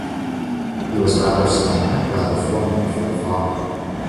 He was rather small, rather formal, for a farmer.